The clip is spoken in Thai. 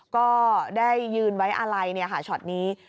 ก็ได้ยืนไว้อาลัยช็อตนี้